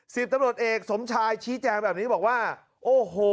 สิบตำรวจเอกสมชายชี้แจงแบบนี้บอกว่าโอ้โห